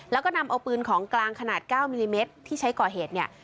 แล้วก็นำเอาปืนของกลางขนาด๙มิลลิเมตรที่ใช้ก่อเหตุเนี่ย